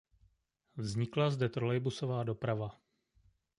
Vznikla zde trolejbusová doprava.